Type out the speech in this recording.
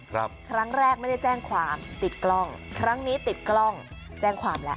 ครั้งแรกไม่ได้แจ้งความติดกล้องครั้งนี้ติดกล้องแจ้งความแล้ว